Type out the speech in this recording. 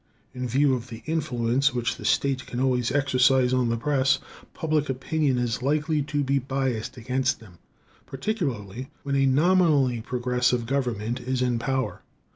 In view of the influence which the state can always exercise on the press, public opinion is likely to be biased against them, particularly when a nominally progressive government is in power.